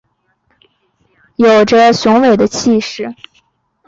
有著雄伟的气势